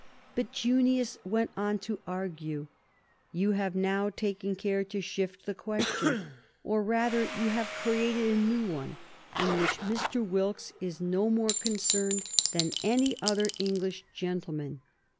But, Junius went on to argue, "you have now taken care to shift the question; or, rather, you have created a new one, in which Mr. Wilkes is no more concerned than any other English gentleman.